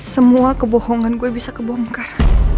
semua kebohongan gue bisa kebongkar